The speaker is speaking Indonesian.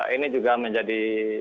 ini juga menjadi